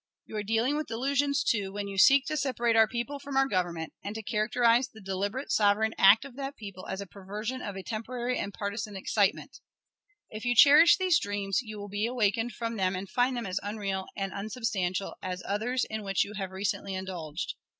You are dealing with delusions, too, when you seek to separate our people from our Government, and to characterize the deliberate sovereign act of that people as a "perversion of a temporary and partisan excitement" If you cherish these dreams, you will be awakened from them and find them as unreal and unsubstantial as others in which you have recently indulged.